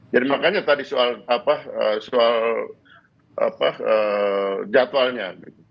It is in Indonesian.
jadi makanya tadi soal apa soal apa jadwalnya